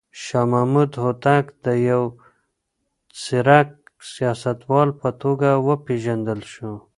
شاه محمود هوتک د يو ځيرک سياستوال په توګه وپېژندل شو.